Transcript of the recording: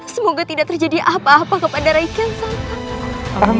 semoga tidak terjadi apa apa kepada reikian santang